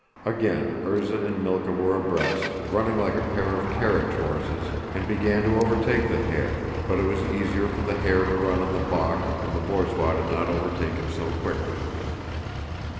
Again Erzá and Mílka were abreast, running like a pair of carriage horses, and began to overtake the hare, but it was easier for the hare to run on the balk and the borzois did not overtake him so quickly.